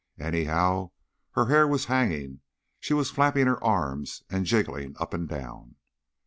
Anyhow, her hair was hanging, she was flapping her arms and jiggling up and down."